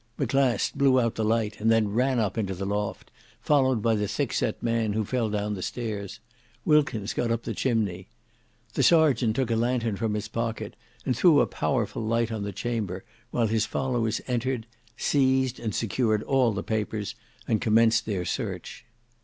Maclast blew out the light, and then ran up into the loft, followed by the thickset man, who fell down the stairs: Wilkins got up the chimney. The sergeant took a lanthorn from his pocket, and threw a powerful light on the chamber, while his followers entered, seized and secured all the papers, and commenced their search.